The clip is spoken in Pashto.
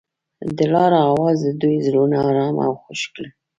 د لاره اواز د دوی زړونه ارامه او خوښ کړل.